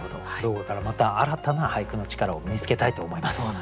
動画からまた新たな俳句の力を身につけたいと思います。